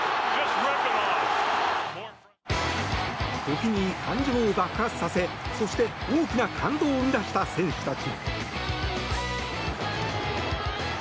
時に感情を爆発させそして大きな感動を生み出した選手たち。